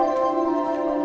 saya akan mengambil alih